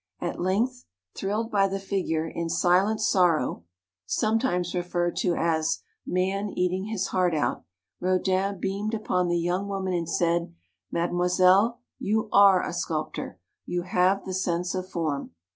At 63 length, thrilled by the figure in "Silent Sorrow," sometimes referred to as "Man Eating His Heart Out," Rodin beamed upon the young woman and said, "Madem oiselle, you are a sculptor; you have the sense of form."